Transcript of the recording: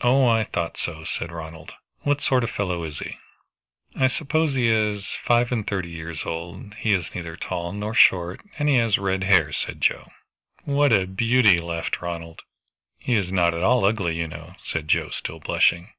"Oh I thought so," said Ronald. "What sort of a fellow is he?" "I suppose he is five and thirty years old; he is neither tall nor short, and he has red hair," said Joe. "What a beauty!" laughed Ronald. "He is not at all ugly, you know," said Joe, still blushing.